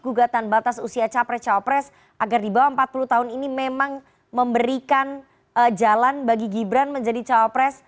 gugatan batas usia capres cawapres agar di bawah empat puluh tahun ini memang memberikan jalan bagi gibran menjadi cawapres